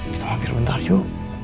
kita mampir bentar yuk